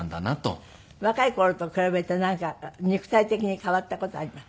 若い頃と比べてなんか肉体的に変わった事あります？